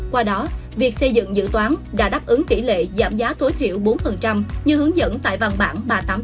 qua đó việc xây dựng dự toán đã đáp ứng tỷ lệ giảm giá tối thiểu bốn như hướng dẫn tại văn bản ba trăm tám mươi